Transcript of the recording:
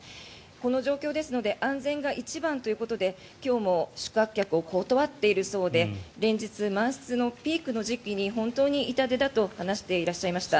この状況ですので安全が一番ということで今日も宿泊客を断っているそうで連日満室のピークの時期に本当に痛手だと話していらっしゃいました。